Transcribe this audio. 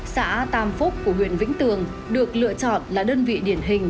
xã tam phúc của huyện vĩnh tường được lựa chọn là đơn vị điển hình